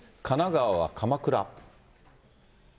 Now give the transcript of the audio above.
神奈川は鎌倉。